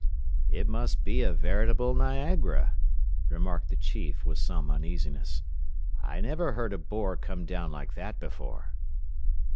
"It must be a veritable Niagara," remarked the chief with some uneasiness. "I never heard a bore come down like that before."